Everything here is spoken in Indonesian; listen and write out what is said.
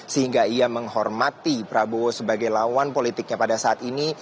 sehingga ia menghormati prabowo sebagai lawan politiknya pada saat ini